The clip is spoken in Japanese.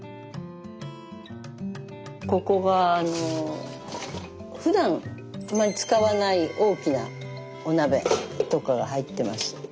ここがふだんあんまり使わない大きなお鍋とかが入ってます。